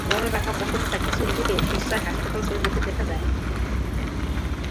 গরমে পাখা বন্ধ থাকায় কিছু রোগীকে স্বেচ্ছায় হাসপাতাল ছেড়ে যেতে দেখা যায়।